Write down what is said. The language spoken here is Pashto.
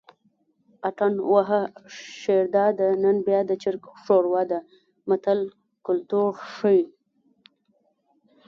اتڼ وهه شیرداده نن بیا د چرګ ښوروا ده متل کولتور ښيي